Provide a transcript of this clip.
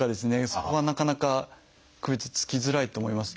そこはなかなか区別つきづらいと思います。